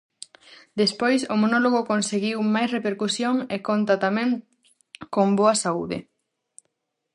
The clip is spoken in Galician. Despois o monólogo conseguiu máis repercusión e conta tamén con boa saúde.